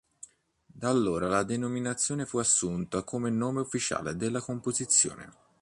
Da allora la denominazione fu assunta come nome ufficiale della composizione.